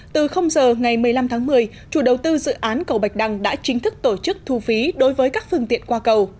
từ giờ ngày một mươi năm tháng một mươi chủ đầu tư dự án cầu bạch đăng đã chính thức tổ chức thu phí đối với các phương tiện qua cầu